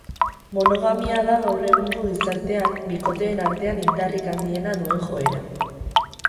Monogamia da gaur egungo gizartean bikoteen artean indarrik handiena duen joera.